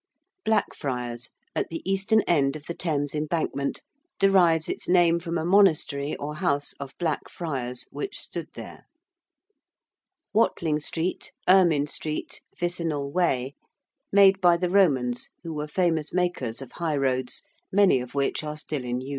~Blackfriars~, at the eastern end of the Thames Embankment, derives its name from a monastery or house of Black Friars which stood there. ~Watling Street~, ~Ermyn Street~, ~Vicinal Way~: made by the Romans, who were famous makers of high roads, many of which are still in use.